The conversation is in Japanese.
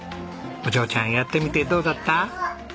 お嬢ちゃんやってみてどうだった？